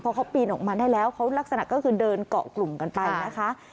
พอเขาปีนออกมาได้แล้วเขาลักษณะก็คือเดินเกาะกลุ่มกันไปนะคะ